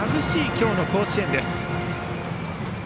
今日の甲子園です。